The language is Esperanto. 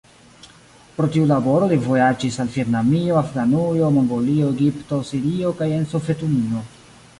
Pro tiu laboro li vojaĝis al Vjetnamio, Afganujo, Mongolio, Egipto, Sirio kaj en Sovetunio.